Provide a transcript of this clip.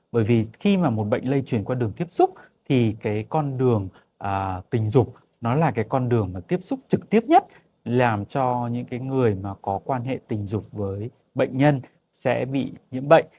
bởi vì khi mà một bệnh lây chuyển qua đường tiếp xúc thì cái con đường tình dục nó là cái con đường mà tiếp xúc trực tiếp nhất làm cho những cái người mà có quan hệ tình dục với bệnh nhân sẽ bị nhiễm bệnh